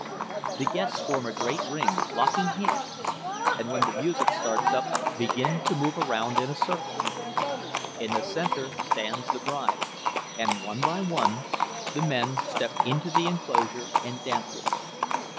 The guests form a great ring, locking hands, and, when the music starts up, begin to move around in a circle. In the center stands the bride, and, one by one, the men step into the enclosure and dance with her.